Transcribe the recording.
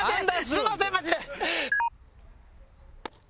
すみませんマジで！